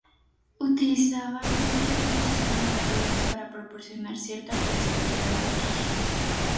Utilizaba un complejo sistema de poleas para proporcionar cierta flexibilidad al traje.